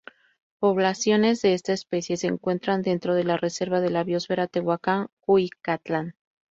Poblaciones de esta especie se encuentran dentro de la Reserva de la biósfera Tehuacán-Cuicatlán.